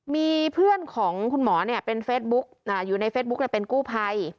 มีเพื่อนของคุณหมอเป็นเฟซบุ๊กอยู่ในเฟซบุ๊กเป็นกู้ภัย